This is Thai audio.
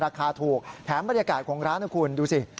ราคาถูกแถมบรรยากาศของร้านนะคุณดูสิ